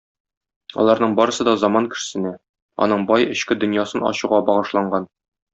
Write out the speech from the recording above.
Аларның барысы да заман кешесенә, аның бай эчке дөньясын ачуга багышланган.